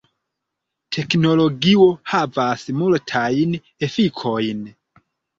Teknologio havas multajn efikojn.